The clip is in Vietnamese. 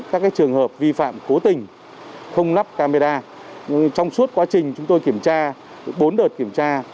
các trường hợp vi phạm cố tình không lắp camera trong suốt quá trình chúng tôi kiểm tra bốn đợt kiểm tra